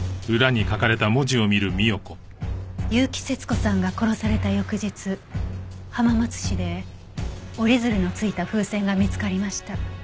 結城節子さんが殺された翌日浜松市で折り鶴のついた風船が見つかりました。